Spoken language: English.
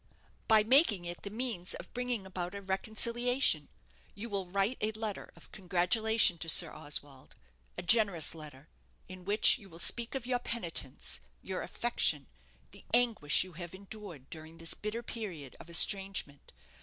"By making it the means of bringing about a reconciliation. You will write a letter of congratulation to Sir Oswald a generous letter in which you will speak of your penitence, your affection, the anguish you have endured during this bitter period of estrangement.